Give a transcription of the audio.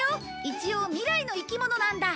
一応未来の生き物なんだ